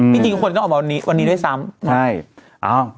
จริงคนต้องออกมาวันนี้ด้วยซ้ำใช่